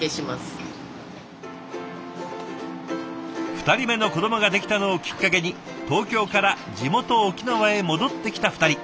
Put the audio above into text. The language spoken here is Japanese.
２人目の子どもができたのをきっかけに東京から地元沖縄へ戻ってきた２人。